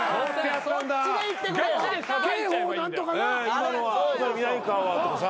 「今のみなみかわは」とかさ。